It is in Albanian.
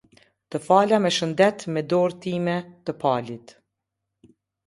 Të fala me shëndet me dorën time, të Palit.